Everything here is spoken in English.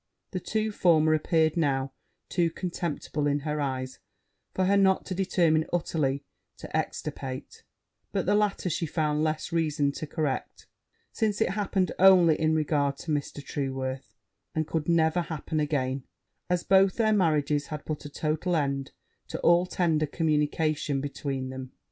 The two former appeared now too contemptible in her eyes for her not to determine utterly to extirpate; but the latter she found less reason to correct, since it happened only in regard to Mr. Trueworth, and could never happen again, as both their marriages had put a total end to all tender communication between them.